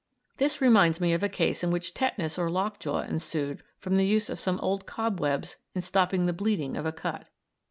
This reminds me of a case in which tetanus or lock jaw ensued from the use of some old cobwebs in stopping the bleeding of a cut.